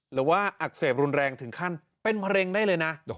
หรือว่าอักเสบรุนแรงถึงขั้นเป็นมะเร็งได้เลยนะ